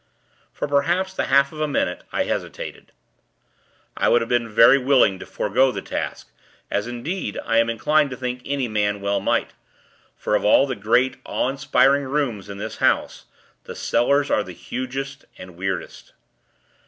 For, perhaps, the half of a minute, I hesitated. I would have been very willing to forego the task as, indeed, I am inclined to think any man well might for of all the great, awe inspiring rooms in this house, the cellars are the hugest and weirdest.